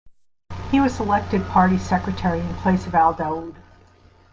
He was elected party secretary in place of Al-Daud.